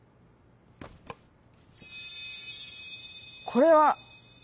「これは」。